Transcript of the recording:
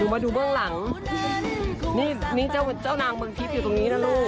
มาดูเบื้องหลังนี่นี่เจ้านางเมืองทิพย์อยู่ตรงนี้นะลูก